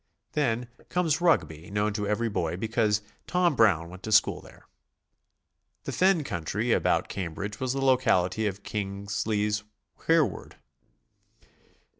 Then comes Rugby, known to every boy because "Tom Brown" went to school there. The fen country about Cambridge was the locality of Kingsley's "Hereward."